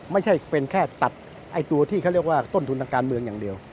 ไม่ใช่เป็นแค่ตัดต้นทุนทางการเมืองอย่างเดียว